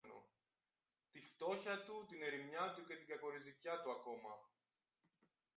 Τη φτώχεια του, την ερημιά του και την κακοριζικιά του ακόμα